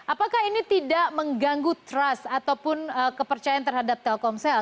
apakah ini tidak mengganggu trust ataupun kepercayaan terhadap telkomsel